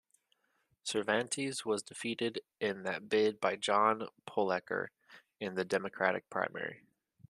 Cervantes was defeated in that bid by John Poelker in the Democratic primary.